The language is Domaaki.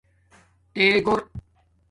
تے گھور